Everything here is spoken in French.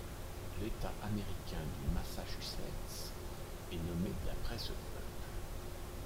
L'État américain du Massachusetts est nommé d'après ce peuple.